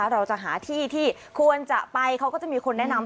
เราจะหาที่ที่ควรจะไปเขาก็จะมีคนแนะนำ